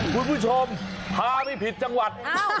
คุณผู้ชมพาไม่ผิดจังหวัด